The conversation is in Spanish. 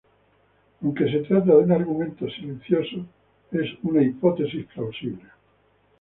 Aunque se trata de un argumento silencioso, es una hipótesis plausible.